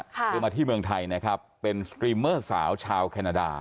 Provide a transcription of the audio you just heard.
คือมาที่เมืองไทยนะครับเป็นสตรีมเมอร์สาวชาวแคนาดา